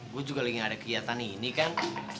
gue juga lagi ada kegiatan ini kan